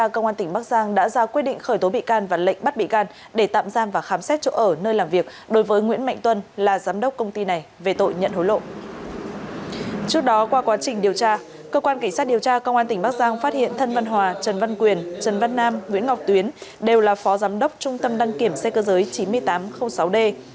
cơ quan cảnh sát điều tra công an tỉnh bắc giang phát hiện thân văn hòa trần văn quyền trần văn nam nguyễn ngọc tuyến đều là phó giám đốc trung tâm đăng kiểm xe cơ giới chín nghìn tám trăm linh sáu d